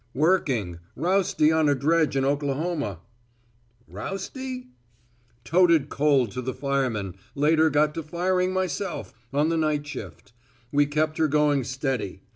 "Working. Rousty on a dredge in Oklahoma." "Rousty?" "Toted coal to the firemen, later got to firing myself on the night shift. We kept her going steady.